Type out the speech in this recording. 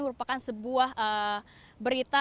merupakan sebuah berita